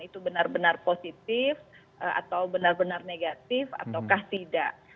itu benar benar positif atau benar benar negatif ataukah tidak